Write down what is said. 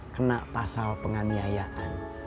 kena pasal penganiayaan